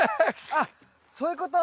あっそういうこと？